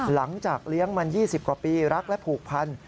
หลังจากเลี้ยงมัน๒๐กว่าปีรักและผูกพัน